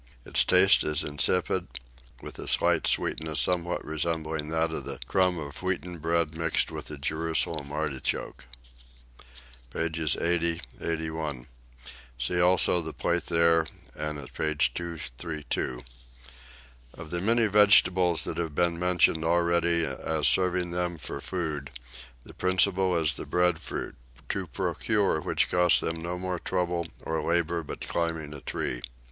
Its taste is insipid, with a slight sweetness somewhat resembling that of the crumb of wheaten bread mixed with a Jerusalem artichoke. Pages 80, 81. See also the plate there and at page 232. Of the many vegetables that have been mentioned already as serving them for food, the principal is the breadfruit, to procure which costs them no trouble or labour but climbing a tree.